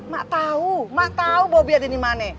mak tau mak tau bobby ada dimana